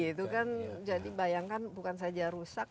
itu kan jadi bayangkan bukan saja rusak